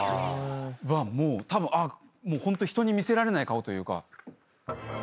もうたぶんホント人に見せられない顔というか。